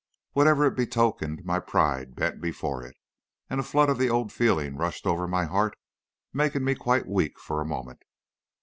Whatever it betokened, my pride bent before it, and a flood of the old feeling rushed over my heart, making me quite weak for a moment.